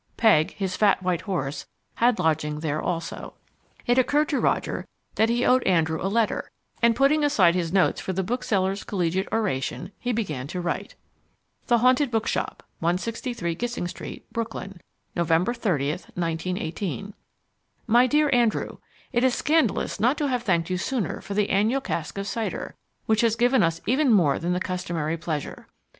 Peg, his fat white horse, had lodging there also. It occurred to Roger that he owed Andrew a letter, and putting aside his notes for the bookseller's collegiate oration, he began to write: THE HAUNTED BOOKSHOP 163 Gissing Street, Brooklyn, November 30, 1918. MY DEAR ANDREW: It is scandalous not to have thanked you sooner for the annual cask of cider, which has given us even more than the customary pleasure.